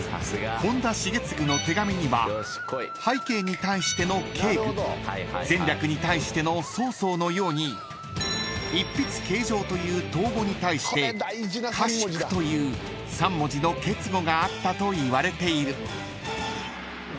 本多重次の手紙には「拝啓」に対しての「敬具」「前略」に対しての「草々」のように「一筆啓上」という頭語に対して「かしく」という３文字の結語があったといわれている］